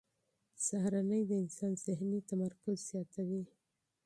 سهارنۍ د انسان ذهني تمرکز زیاتوي.